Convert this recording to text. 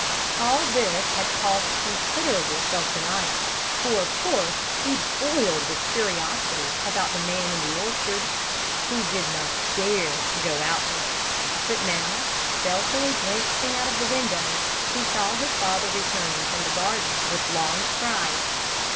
All this had cost considerable self denial; for of course he boiled with curiosity about the man in the orchard. He did not dare to go out there, but now, stealthily glancing out of the window, he saw his father returning from the garden with long strides.